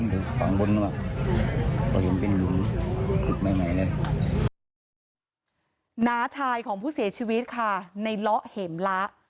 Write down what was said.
น้าชายของผู้เสียชีวิตค่ะในเลาะเห็มละ